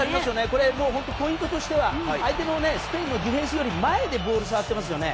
これ、本当にポイントとしてはスペインのディフェンスより前でボールを触ってますよね。